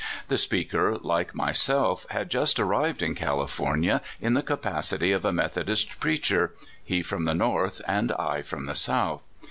The speaker, like myself, had just arrived in California, in the capacity of a Methodist preacher — he from the North, and I from the South.